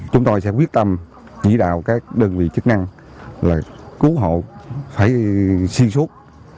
chúng tôi sẽ quyết tâm chỉ đạo các đơn vị chức năng cứu hậu phải xuyên suốt